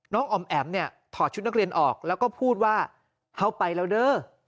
อ๋อมแอ๋มเนี่ยถอดชุดนักเรียนออกแล้วก็พูดว่าเอาไปแล้วเด้อ